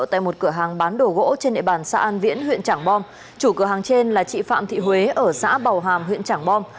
tại một cửa hàng bán đồ gỗ trên địa bàn xã an viễn huyện trảng bom chủ cửa hàng trên là chị phạm thị huế ở xã bào hàm huyện trảng bom